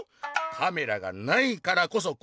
「カメラがないからこそこうつごう！